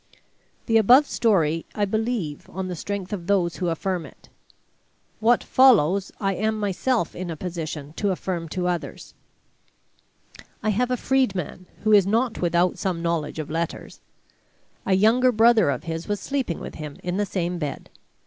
The above story I believe on the strength of those who affirm it. What follows I am myself in a position to affirm to others. I have a freedman, who is not without some knowledge of letters. A younger brother of his was sleeping with him in the same bed.